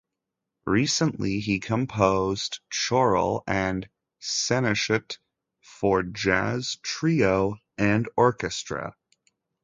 Recently he composed "Choral" and "Sehnsucht" for jazz trio and orchestra.